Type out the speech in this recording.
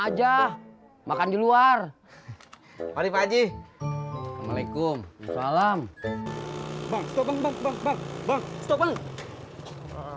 aja makan di luar hari pagi assalamualaikum salam bang bang bang bang bang bang